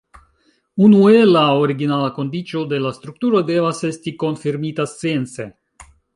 Unue, la originala kondiĉo de la strukturo devas esti konfirmita science.